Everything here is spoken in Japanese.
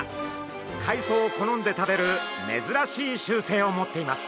海藻を好んで食べる珍しい習性を持っています。